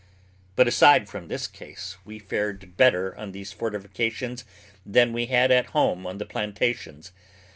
But aside from this case we fared better on these fortifications than we had at home on the plantations.